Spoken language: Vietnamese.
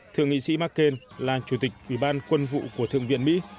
thượng nghị sĩ mccain là chủ tịch ủy ban quân vụ của thượng viện mỹ